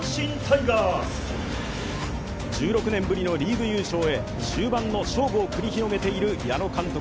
１６年ぶりのリーグ優勝へ終盤の勝負を繰り広げている矢野監督。